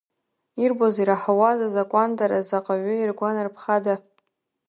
Ирбоз-ираҳауаз азакәандара заҟаҩы иргәанарԥхада?